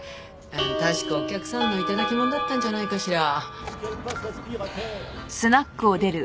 確かお客さんの頂き物だったんじゃないかしら？